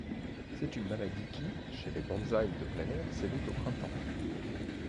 C'est une maladie qui, chez les bonsaïs de plein air, sévit au printemps.